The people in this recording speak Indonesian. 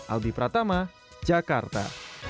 albi pratama jakarta